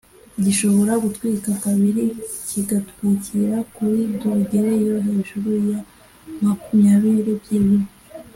gishobora gutwikwa kabiri kigatwikira kuri dogere yo hejuru ya makumyabiri byibura